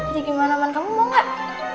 jadi gimana man kamu mau gak